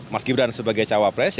mas gibran sebagai capres